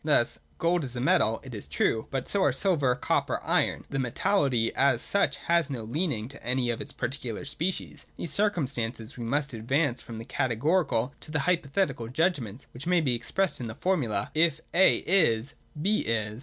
Thus 'gold is a metal,' it is true ; but so are silver, copper, iron : and metalleity as such has no leanings to any of its particular species. In these circum stances we must advance from the Categorical to the Hypo thetical judgment, which may be expressed in the formula : If A is, B is.